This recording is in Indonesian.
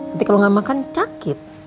nanti kalau gak makan cakap